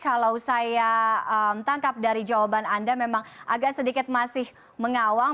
kalau saya tangkap dari jawaban anda memang agak sedikit masih mengawang